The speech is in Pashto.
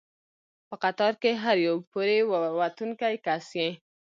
په قطار کې هر یو پورې ووتونکی کس یې.